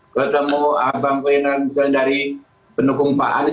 kalau ketemu abangku inran misalnya dari penukung pak anies